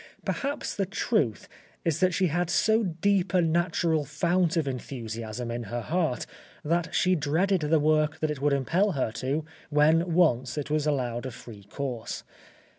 Perhaps the truth is that she had so deep a natural fount of enthusiasm in her heart that she dreaded the work that it would impel her to, when once it was allowed a free course.